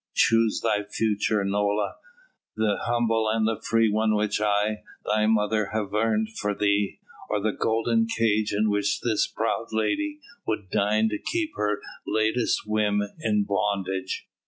Choose thy future, Nola. The humble and free one which I, thy mother, have earned for thee, or the golden cage in which this proud lady would deign to keep her latest whim in bondage!"